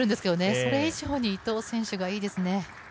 それ以上に伊藤選手がいいですね。